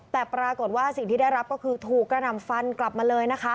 แต่ปรากฏว่าสิ่งที่ได้รับก็คือถูกกระหน่ำฟันกลับมาเลยนะคะ